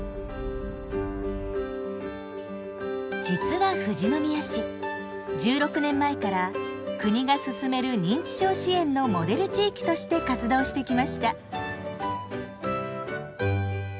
実は富士宮市１６年前から国が進める認知症支援のモデル地域として活動してきました。